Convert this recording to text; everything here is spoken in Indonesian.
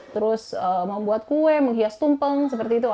terus membuat kue menghias tumpeng seperti itu